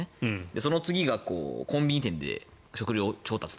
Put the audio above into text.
その次がコンビニ店で食料調達と。